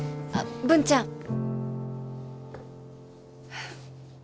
あっ文ちゃん。